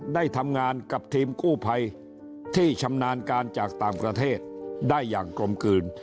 ได้ทำงานกับทีมกู้ภัยที่ชำนาญการจากต่างประเทศได้อย่างกลมกลืน